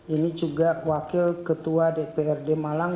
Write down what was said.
ini juga wakil ketua dprd malang